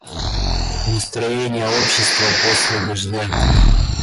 Настроение общества после дождя.